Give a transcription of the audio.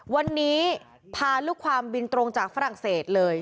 วันนี้พาลูกความบินตรงจากฝรั่งเศสเลย